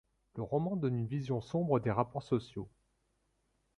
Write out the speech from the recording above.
Le roman donne une vision sombre des rapports sociaux.